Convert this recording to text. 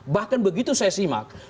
bahkan begitu saya simak